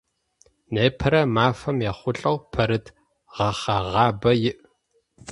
Непэрэ мафэм ехъулӏэу Пэрыт гъэхъэгъабэ иӏ.